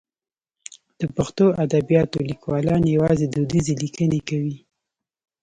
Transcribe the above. د پښتو ادبیاتو لیکوالان یوازې دودیزې لیکنې کوي.